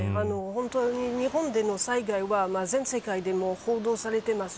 本当に日本での災害は全世界でも報道されています。